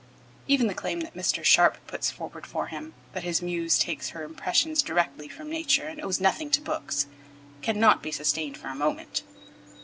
Even the claim that Mr. Sharp puts forward for him, that his muse takes her impressions directly from nature and owes nothing to books, cannot be sustained for a moment.